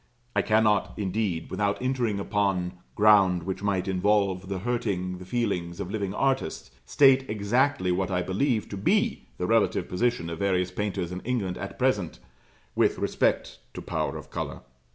I cannot, indeed, without entering upon ground which might involve the hurting the feelings of living artists, state exactly what I believe to be the relative position of various painters in England at present with respect to power of colour.